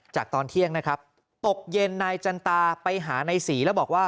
ตอนเที่ยงนะครับตกเย็นนายจันตาไปหานายศรีแล้วบอกว่า